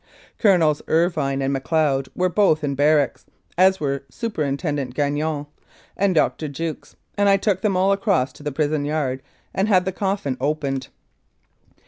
Colonels Irvine and Macleod were both in barracks, as were Superintendent Gagnon and Dr. Jukes, and I took them all across to the prison yard and had the coffin opened.